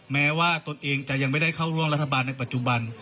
แม้ว่าตนเองจะยังไม่ได้เข้าร่วมรัฐบาลในปัจจุบัน